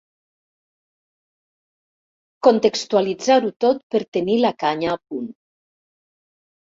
Contextualitzar-ho tot per tenir la canya a punt.